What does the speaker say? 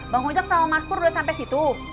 bang ojak sama mas pur udah sampe situ